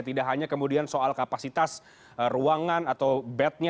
tidak hanya kemudian soal kapasitas ruangan atau bednya